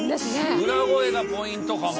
裏声がポイントかも。